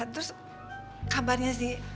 terus kabarnya sih